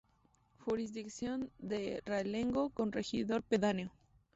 Jurisdicción de Realengo con regidor pedáneo.